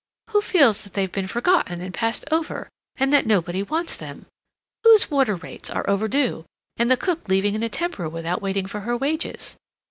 Who feels that they've been forgotten and passed over, and that nobody wants them? Whose water rates are overdue, and the cook leaving in a temper without waiting for her wages?